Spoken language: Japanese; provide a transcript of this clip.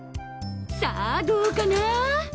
さぁどうかな？